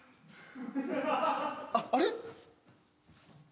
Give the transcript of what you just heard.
あっあれ？